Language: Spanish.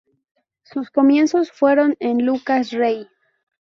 Sus comienzos fueron en Lucas Rey.